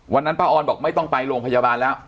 ป้าออนบอกไม่ต้องไปโรงพยาบาลแล้ว